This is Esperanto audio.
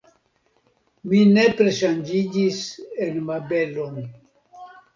Mi nepre ŝanĝiĝis en Mabelon.